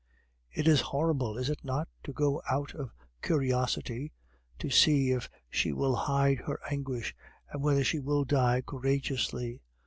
It is horrible, is it not, to go out of curiosity to see if she will hide her anguish, and whether she will die courageously?